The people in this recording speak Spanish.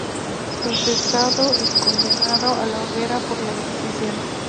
Procesado y condenado a la hoguera por la Inquisición.